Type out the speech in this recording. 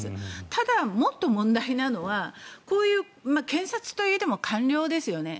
ただ、もっと問題なのはこういう検察といえども官僚ですよね。